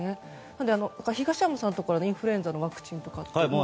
なので、東山さんのところはインフルエンザのワクチンは。